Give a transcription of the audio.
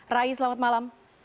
rai selamat malam